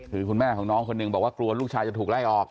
คือคุณแม่ของน้องคนหนึ่งบอกว่ากลัวลูกชายจะถูกไล่ออก